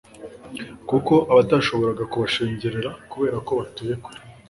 koko, abatashoboraga kubashengerera kubera ko batuye kure